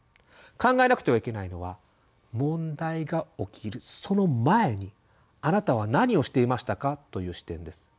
考えなくてはいけないのは「問題が起きるその前にあなたは何をしていましたか？」という視点です。